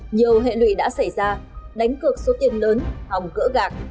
nhiều hệ lụy đã xảy ra đánh cược số tiền lớn hỏng cỡ gạc